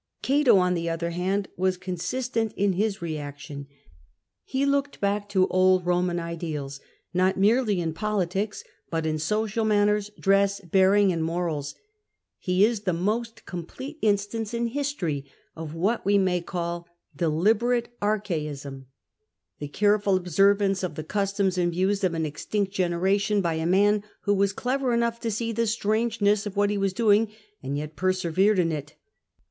Cato, on the other hand, was consistent in his reaction ; he looked back to old Roman ideals, not merely in politics, but in social manners, dress, bearing, and morals. He is the most complete instance in history of what we may call deliberate archaism, — the careful ob servance of the customs and views of an extinct generation by a man who was clever enough to see the strangeness of what he was doing, and yet persevered in it.